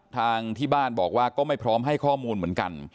ทางที่บ้านบอกว่าก็ไม่พร้อมให้ข้อมูลเหมือนกัน